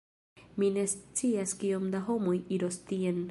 Mi ne scias kiom da homoj iros tien